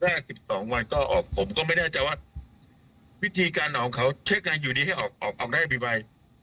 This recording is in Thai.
แค่๑๒วันก็ออกผมก็ไม่แน่ใจว่าวิธีการของเขาเช็คไงอยู่ดีให้ออกออกได้กี่ใบ